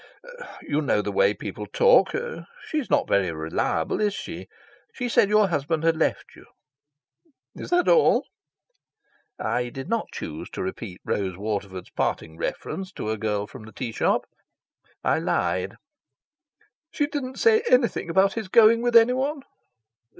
"You know the way people talk. She's not very reliable, is she? She said your husband had left you." "Is that all?" I did not choose to repeat Rose Waterford's parting reference to a girl from a tea shop. I lied. "She didn't say anything about his going with anyone?"